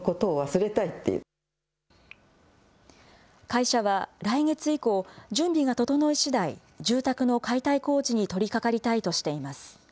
会社は来月以降、準備が整いしだい、住宅の解体工事に取りかかりたいとしています。